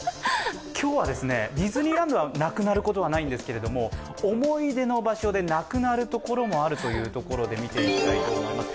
今日はディズニーランドはなくなることはないんですけども、思い出の場所でなくなる所もあるというところを見ていきます。